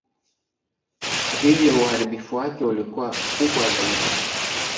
Hivyo uharibifu wake ulikuwa kubwa zaidi.